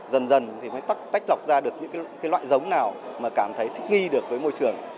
dần dần thì mới tách tách lọc ra được những loại giống nào mà cảm thấy thích nghi được với môi trường